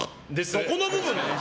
そこの部分？